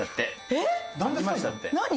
えっ？何？